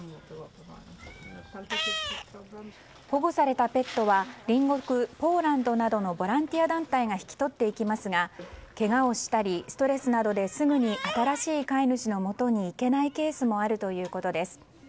保護されたペットは隣国ポーランドなどのボランティア団体が引き取っていきますがけがをしたりストレスなどですぐに新しい飼い主のもとに行けないケースもあるということです。